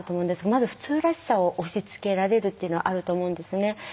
まず普通らしさを押しつけられるっていうのがあると思うんですね。